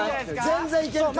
全然いける。